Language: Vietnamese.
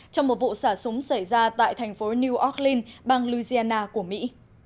trong một vụ xả súng xảy ra tại thành phố new yorkl bang louisiana của mỹ